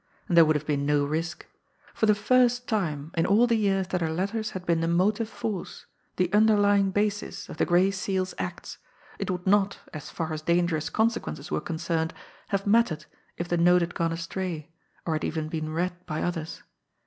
And there would have been no risk. For the first time in all the years that her letters had been the motive force, the underlying basis of the Gray Seal's acts, it would not, as far as dangerous consequences were concerned, have mattered if the note had gone astray, or had even been read by others.